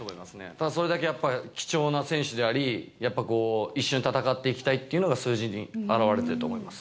ただそれだけやっぱり貴重な選手であり、やっぱこう、一緒に戦っていきたいというのが数字に表れてると思います。